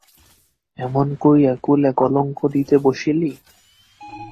এমন করিয়া কুলে কলঙ্ক দিতে বসিলি!